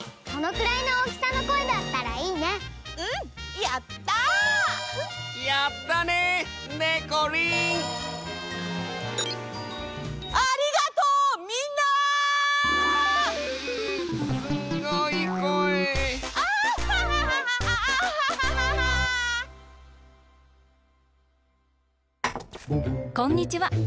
こんにちは。